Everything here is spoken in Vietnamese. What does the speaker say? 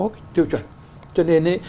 cái tiêu chuẩn cho nên ấy